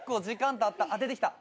出てきた。